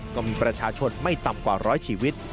ก็มีประชาชนไม่ต่ำกว่าร้อยชีวิต